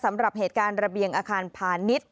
สำหรับเหตุการณ์ระเบียงอาคารพาณิชย์